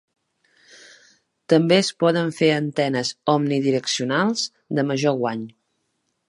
També es poden fer antenes omnidireccionals de major guany.